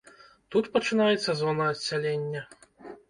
Тут пачынаецца зона адсялення.